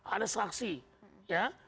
ada saksi ya